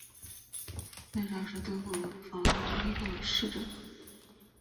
赖沙是德国巴伐利亚州的一个市镇。